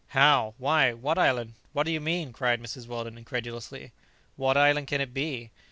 "How? why? what island? what do you mean?" cried Mrs. Weldon incredulously; "what island can it be?"